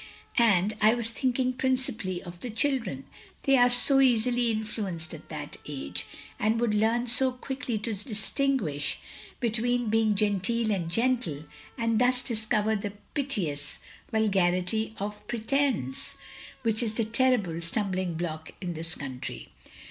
And I was thinking principally of the children. They are so easily influenced at that age, and would leam so qtiickly to distinguish between being genteel and gentle; and thus discover the piteous vulgarity of pretence^ which is the terrible stum bling block in this cotmtry.